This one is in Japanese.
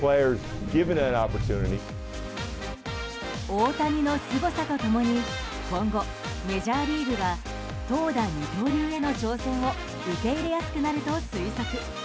大谷のすごさと共に今後、メジャーリーグが投打二刀流への挑戦を受け入れやすくなると推測。